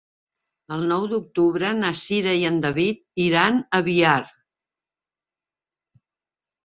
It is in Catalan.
El nou d'octubre na Cira i en David iran a Biar.